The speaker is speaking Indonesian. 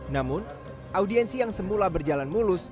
namun audiensi yang semula berjalan mulus